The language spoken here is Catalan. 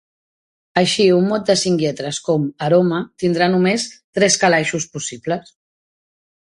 Així, un mot de cinc lletres com “aroma” tindrà només tres calaixos possibles.